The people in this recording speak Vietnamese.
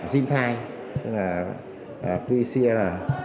dinh thai tức là pcr